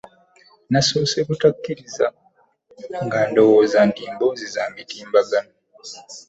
Nnasoose butakkiriza nga ndowooza nti mboozi za mitimbagano